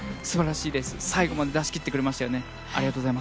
素晴らしいレース、最後まで出しきってくれましたね。